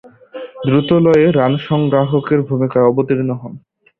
দ্রুতলয়ে রান সংগ্রাহকের ভূমিকায় অবতীর্ণ হতেন।